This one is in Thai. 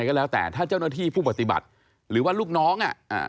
ก็แล้วแต่ถ้าเจ้าหน้าที่ผู้ปฏิบัติหรือว่าลูกน้องอ่ะอ่า